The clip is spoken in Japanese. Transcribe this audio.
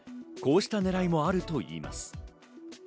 こうした狙いもあるといいます。